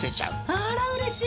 あらうれしい。